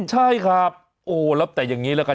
ใช่ครับโอ้แล้วแต่อย่างนี้แล้วกัน